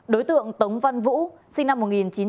đối tượng tống văn vũ sinh năm một nghìn chín trăm bảy mươi bảy